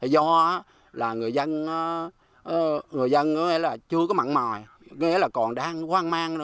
do là người dân chưa có mặn mòi nghĩa là còn đang quan mang nữa